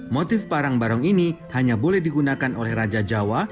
motif parang barong ini hanya boleh digunakan oleh raja jawa